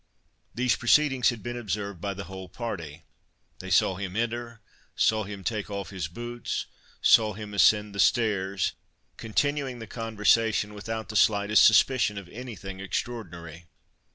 These proceedings had been observed by the whole party: they saw him enter—saw him take off his boots—saw him ascend the stairs,—continuing the conversation, without the slightest suspicion of anything extraordinary.